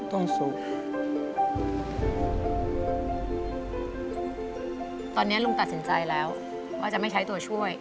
ตอนนี้ลุงตัดสินใจแล้วว่าจะไม่ใช้ตัวช่วย